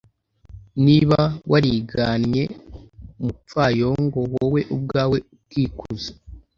niba warigannye umupfayongo, wowe ubwawe ukikuza